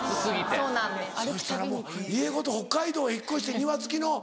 そしたらもう家ごと北海道へ引っ越して庭付きの。